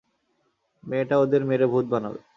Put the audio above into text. মেয়েটা ওদের মেরে ভূত বানাবে!